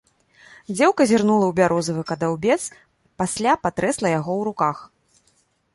Дзеўка зірнула ў бярозавы кадаўбец, пасля патрэсла яго ў руках.